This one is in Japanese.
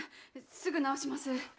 すぐ直します。